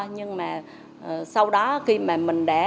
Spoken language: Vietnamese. nhưng mà sau đó khi mà mình để